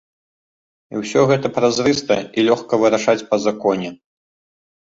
І ўсё гэта празрыста і лёгка вырашаць па законе.